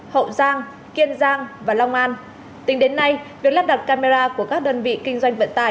hậu giang kiên giang và long an tính đến nay việc lắp đặt camera của các đơn vị kinh doanh vận tải